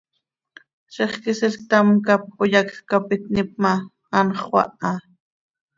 Zixquisiil ctam cap oyacj cap itníp ma, anxö xöaha.